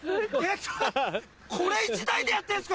これ１台でやってるんですか？